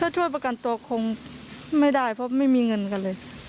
ถ้าช่วยประกันตัวคงไม่ได้เพราะไม่มีเงินกันเลย